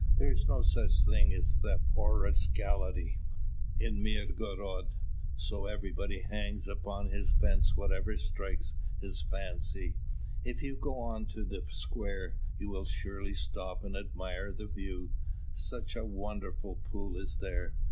There is no such thing as theft or rascality in Mirgorod, so everybody hangs upon his fence whatever strikes his fancy. If you go on to the square, you will surely stop and admire the view: such a wonderful pool is there!